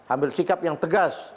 ambil sikap yang tegas